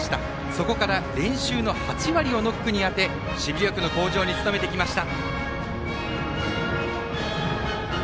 そこから練習の８割をノックに充て守備力の向上に努めてきました。